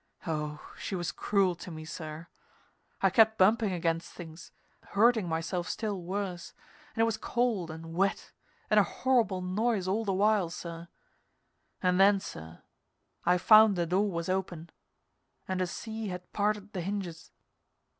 Oh, she was cruel to me, sir. I kept bumping against things, hurting myself still worse, and it was cold and wet and a horrible noise all the while, sir; and then, sir, I found the door was open, and a sea had parted the hinges.